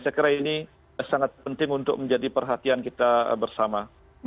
saya kira ini sangat penting untuk menjadi perhatian kita bersama